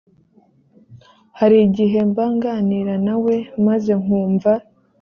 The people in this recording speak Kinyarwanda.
hari igihe mba nganira na we maze nkumva